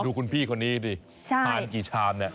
ดูคุณพี่คนนี้ดิทานกี่ชามเนี่ย